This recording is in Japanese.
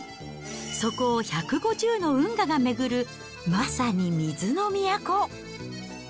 そこを１５０の運河が巡る、まさに水の都。